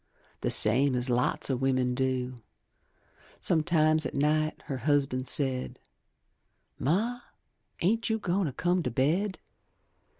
The same as lots of wimmin do; Sometimes at night her husban' said, "Ma, ain't you goin' to come to bed?"